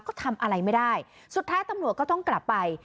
ก็ทำอะไรไม่ได้สุดท้ายตำรวจก็ต้องกลับไป